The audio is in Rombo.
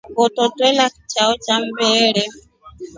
Ngoto ntwela chao cha mmbere.